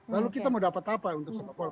lalu kita mau dapat apa untuk sepak bola